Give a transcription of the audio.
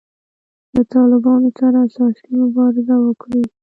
له طالبانو سره اساسي مبارزه وکړي.